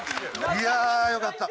いやーよかった。